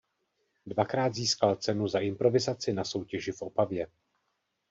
Dvakrát získal cenu za improvizaci na soutěži v Opavě.